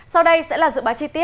sau đây sẽ là dự bá trị